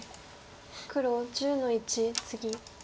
黒１０の一ツギ。